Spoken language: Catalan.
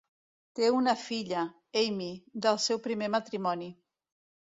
Té una filla, Amy, del seu primer matrimoni.